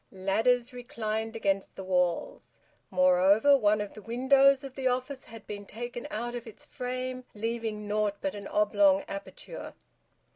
Ladders reclined against the walls. Moreover, one of the windows of the office had been taken out of its frame, leaving naught but an oblong aperture.